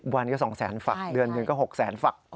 ๑๐วันก็๒๐๐๐๐๐ฝักเดือนหนึ่งก็๖๐๐๐๐๐ฝัก